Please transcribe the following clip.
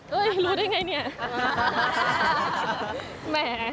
เฮ้ยรู้ได้อย่างไรเนี่ย